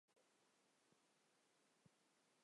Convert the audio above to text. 民众开始对法律出现信任问题。